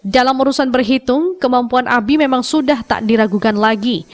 dalam urusan berhitung kemampuan abi memang sudah tak diragukan lagi